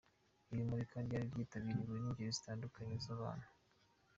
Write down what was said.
Iri murika ryari ryitabiriwe n’ingeri zitandukanye z’abantu.